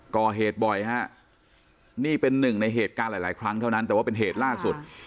ก่อเหตุบ่อยฮะนี่เป็นหนึ่งในเหตุการณ์หลายครั้งเท่านั้นแต่ว่าเป็นเหตุล่าสุด